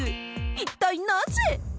一体なぜ。